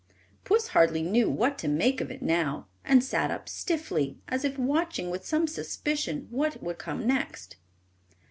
Puss hardly knew what to make of it now, and sat up stiffly, as if watching with some suspicion what would come next.